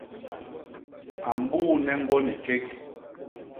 A mbuune ñgwo ni kék.